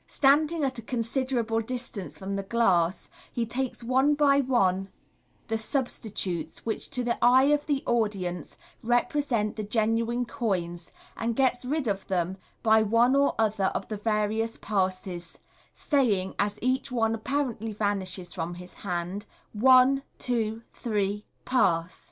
Standing at a con siderable distance from the glass, he takes one by one V> substitutes, which to the eyes of the audience represent the genuine coins, and gets rid of them by one or other of the various passes, saying as each one apparently vanishes from his hand, " One, two, three — Pass